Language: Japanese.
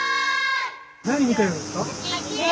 何を見てるんですか？